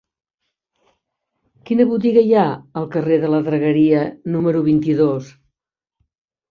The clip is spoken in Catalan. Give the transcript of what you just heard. Quina botiga hi ha al carrer de la Dagueria número vint-i-dos?